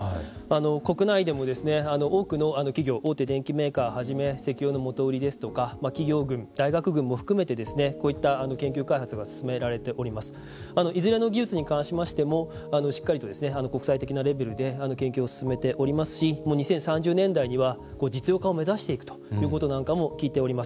国内でも、多くの企業大手電機メーカーをはじめ石油の元売りですとか大学群も含めてこういった研究開発が進められておりますいずれの技術に関しましてもしっかりと国際的なレベルで研究を進めておりますし２０３０年代には実用化を目指していくということなんかも聞いております。